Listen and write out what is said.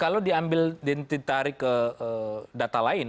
kalau diambil ditarik ke data lain